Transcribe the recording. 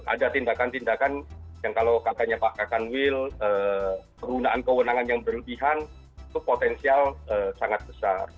ada tindakan tindakan yang kalau katanya pak kakan wil penggunaan kewenangan yang berlebihan itu potensial sangat besar